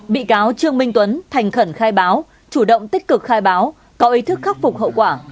bị cáo trương minh tuấn thành khẩn khai báo chủ động tích cực khai báo có ý thức khắc phục hậu quả